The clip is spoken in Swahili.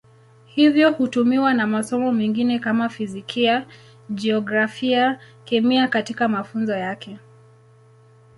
Hivyo hutumiwa na masomo mengine kama Fizikia, Jiografia, Kemia katika mafunzo yake.